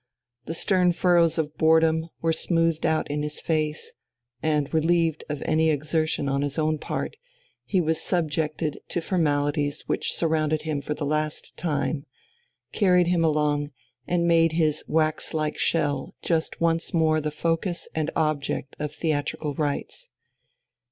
The stern furrows of boredom were smoothed out in his face, and, relieved of any exertion on his own part, he was subjected to formalities which surrounded him for the last time, carried him along, and made his wax like shell just once more the focus and object of theatrical rites....